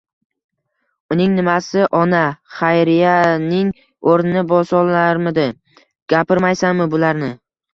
Uning nimasi ona?! Xayriyaning o'rnini bosolarmidi?! Gapirmaysanmi bularni?!